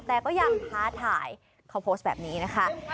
แต่ก็ยังท้าทายเขาโพสต์แบบนี้นะคะ